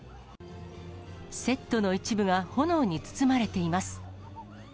セットの一部が炎に包まれています。